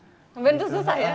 ngeband tuh susah ya